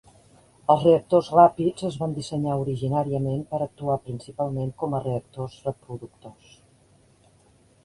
Els reactors ràpids es van dissenyar originàriament per actuar principalment com a reactors reproductors.